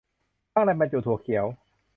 ข้างในบรรจุถั่วเขียว